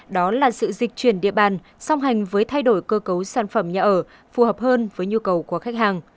đó là sự dịch chuyển địa bàn song hành với thay đổi cơ cấu sản phẩm nhà ở phù hợp hơn với nhu cầu của khách hàng